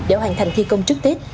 để hoàn thành thi công trước tết